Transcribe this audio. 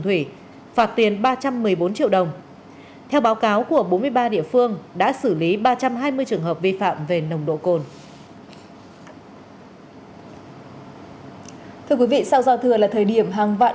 hãy giúp giúp cha